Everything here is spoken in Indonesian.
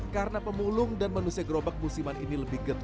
karena pemulung dan manusia gerobak musiman ini lebih getar